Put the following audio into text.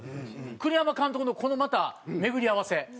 栗山監督のこのまた巡り合わせ。